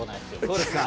そうですか。